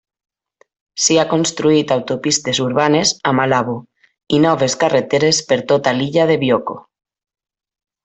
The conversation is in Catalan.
S'hi ha construït autopistes urbanes a Malabo i noves carreteres per tota l'illa de Bioko.